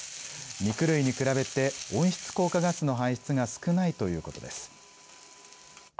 肉類に比べて温室効果ガスの排出が少ないということです。